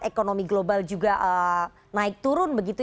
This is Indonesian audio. ekonomi global juga naik turun begitu